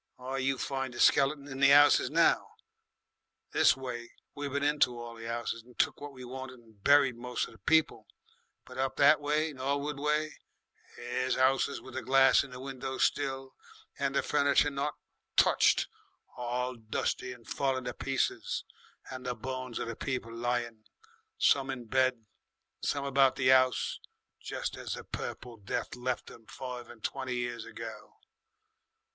Why, you find the skeletons in the 'ouses now. This way we been into all the 'ouses and took what we wanted and buried moce of the people, but up that way, Norwood way, there's 'ouses with the glass in the windows still, and the furniture not touched all dusty and falling to pieces and the bones of the people lying, some in bed, some about the 'ouse, jest as the Purple Death left 'em five and twenty years ago.